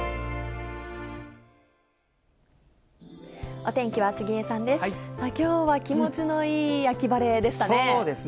お天気は杉江さんです。